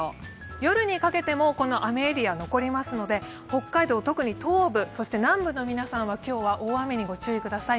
夜にかけても雨エリアは残りますので北海道、特に東部、南部の皆さんは今日は大雨にご注意ください。